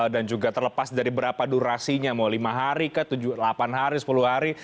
dan juga terlepas dari berapa durasinya mau lima hari ke delapan hari sepuluh hari